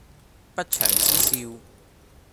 不祥之兆